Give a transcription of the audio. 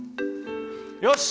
よし！